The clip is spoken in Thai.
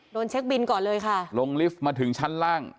เช็คบินก่อนเลยค่ะลงลิฟต์มาถึงชั้นล่าง